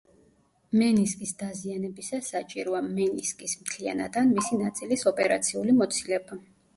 მენისკის დაზიანებისას საჭიროა მენისკის მთლიანად ან მისი ნაწილის ოპერაციული მოცილება.